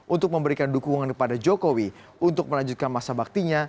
untuk memberikan dukungan kepada jokowi untuk melanjutkan masa baktinya